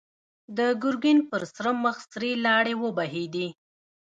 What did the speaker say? د ګرګين پر سره مخ سرې لاړې وبهېدې.